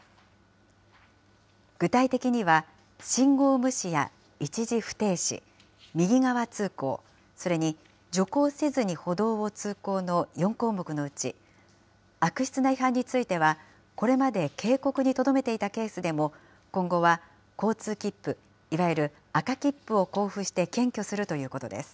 具体的には、信号無視や一時不停止、右側通行、それに、徐行せずに歩道を通行の４項目のうち、悪質な違反については、これまで警告にとどめていたケースでも、今後は交通切符、いわゆる赤切符を交付して検挙するということです。